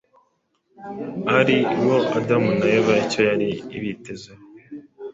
ari bo Adamu na Eva icyo yari ibitezeho,